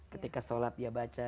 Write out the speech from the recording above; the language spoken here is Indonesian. ketika sholat dia baca